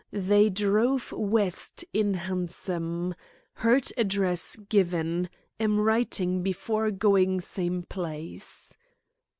They drove west in hansom. Heard address given. Am wiring before going same place."